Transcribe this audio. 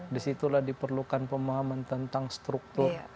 disitulah diperlukan pemahaman tentang struktur